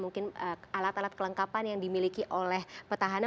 mungkin alat alat kelengkapan yang dimiliki oleh petahana